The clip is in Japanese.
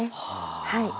はい。